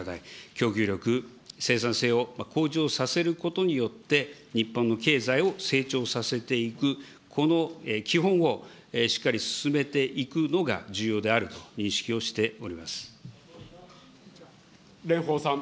供給力、生産性を向上させることによって、日本の経済を成長させていく、この基本をしっかり進めていくのが重要であると認識をしておりま蓮舫さん。